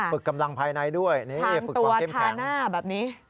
ฝึกกำลังภายในด้วยฟังตัวทาหน้าแบบนี้